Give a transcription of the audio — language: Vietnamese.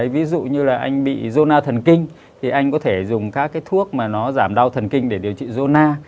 ví dụ như là anh bị zona thần kinh thì anh có thể dùng các cái thuốc mà nó giảm đau thần kinh để điều trị jona